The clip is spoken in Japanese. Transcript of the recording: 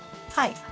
はい。